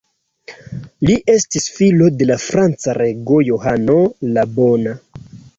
Li estis filo de la franca rego Johano la Bona.